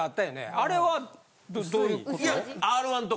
あれはどういうこと？